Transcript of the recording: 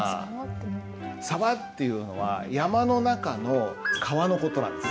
「沢」っていうのは山の中の川の事なんです。